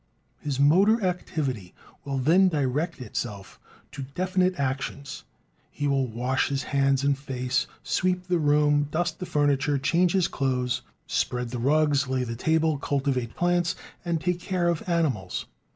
His motor activity will then direct itself to definite actions: he will wash his hands and face, sweep the room, dust the furniture, change his clothes, spread the rugs, lay the table, cultivate plants, and take care of animals.